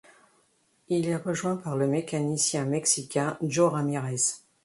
Il est rejoint par le mécanicien mexicain Jo Ramírez.